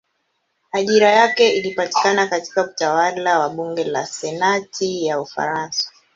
Ajira yake ilipatikana katika utawala wa bunge la senati ya Ufaransa.